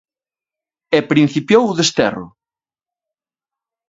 E principiou o desterro.